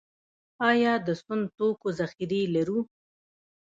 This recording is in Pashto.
آیا د سون توکو ذخیرې لرو؟